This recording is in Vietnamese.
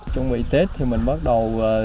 chuẩn bị tết thì mình bắt đầu